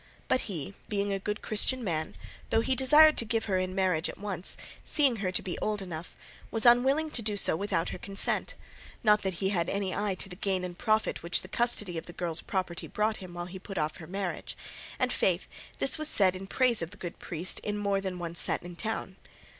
But he, being a good Christian man, though he desired to give her in marriage at once, seeing her to be old enough, was unwilling to do so without her consent, not that he had any eye to the gain and profit which the custody of the girl's property brought him while he put off her marriage; and, faith, this was said in praise of the good priest in more than one set in the town.